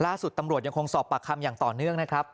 ล่าสุดตำรวจยังคงสอบปากคำอย่างต่อเนื่องนะครับ